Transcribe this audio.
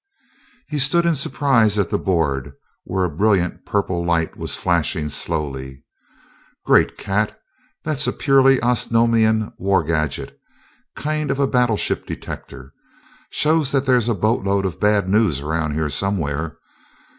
He stood in surprise at the board, where a brilliant purple light was flashing slowly. "Great Cat! That's a purely Osnomian war gadget kind of a battleship detector shows that there's a boatload of bad news around here somewhere.